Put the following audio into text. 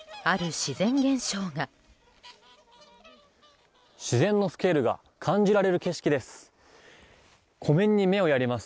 自然のスケールが感じられる景色です。